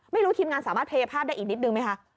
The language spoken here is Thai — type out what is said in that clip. ไม่รู้ทีมงานสามารถเพลยภาพได้อีกนิดนึงไหมคะ